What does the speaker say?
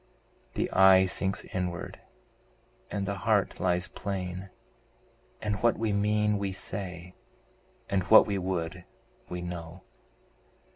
The eye sinks inward, and the heart lies plain, And what we mean, we say, and what we would, we know.